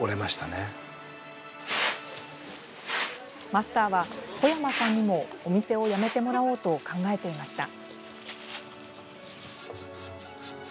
マスターは、小山さんにもお店を辞めてもらおうと考えていました。